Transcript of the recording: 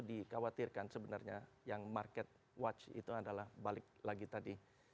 dikhawatirkan sebenarnya yang market watch itu adalah balik lagi tadi